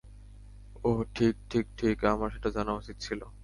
ওহ, ঠিক, ঠিক, আমার সেটা জানা উচিত ছিল।